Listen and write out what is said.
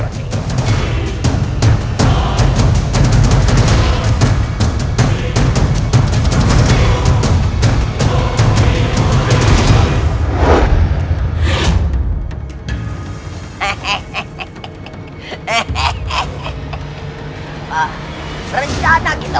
lebih baik raden keluar